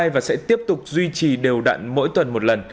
và sẽ tiếp tục duy trì đều đặn mỗi tuần một lần